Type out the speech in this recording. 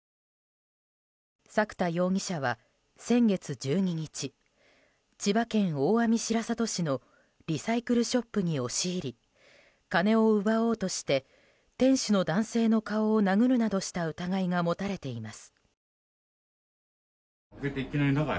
作田容疑者は先月１２日千葉県大網白里市のリサイクルショップに押し入り金を奪おうとして店主の男性の顔を殴るなどした疑いが持たれています。